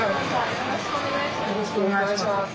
よろしくお願いします。